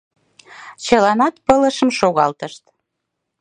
Чыланат пылышым шогалтышт.